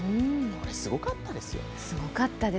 これ、すごかったですよね。